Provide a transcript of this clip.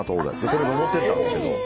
これ上ってったんですけど。